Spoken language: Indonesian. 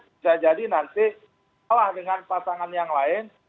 bisa jadi nanti kalah dengan pasangan yang lain